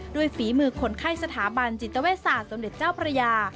โดยฝีมือคนไข้สถาบันจิตเวษาสมเด็จเจ้าปรยา